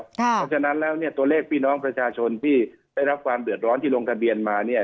เพราะฉะนั้นแล้วเนี่ยตัวเลขพี่น้องประชาชนที่ได้รับความเดือดร้อนที่ลงทะเบียนมาเนี่ย